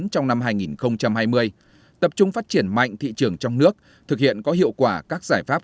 trong năm hai nghìn hai mươi tập trung phát triển mạnh thị trường trong nước thực hiện có hiệu quả các giải pháp